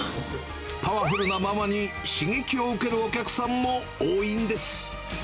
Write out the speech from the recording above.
パワフルなママに刺激を受けるお客さんも多いんです。